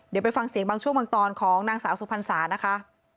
เดี๋ยวไปฟังเสียงบางช่วงบางตอนของนางสาวสุพรรษานะคะ